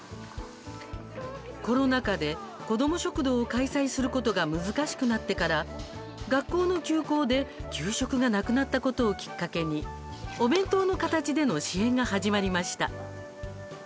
コロナ禍でこども食堂を開催することが難しくなってから学校の休校で給食がなくなったことをきっかけにお弁当の形での支援が始まりました。